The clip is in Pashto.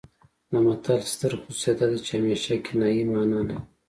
د متل ستر خصوصیت دا دی چې همیشه کنايي مانا لري